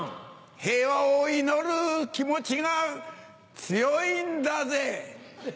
平和を祈る気持ちが強いんだぜ。